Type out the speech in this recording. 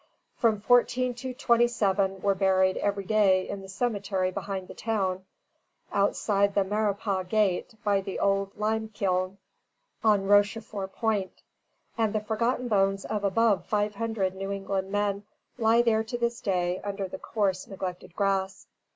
From fourteen to twenty seven were buried every day in the cemetery behind the town, outside the Maurepas Gate, by the old lime kiln, on Rochefort Point; and the forgotten bones of above five hundred New England men lie there to this day under the coarse, neglected grass.